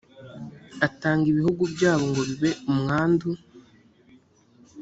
atanga ibihugu byabo ngo bibe umwandu